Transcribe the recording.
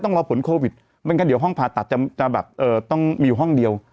ต้องรอผลโควิดไม่งั้นเดี๋ยวห้องผ่าตัดจะแบบต้องมีอยู่ห้องเดียว